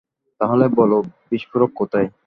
তাহলে বলো বিস্ফোরক কোথায়?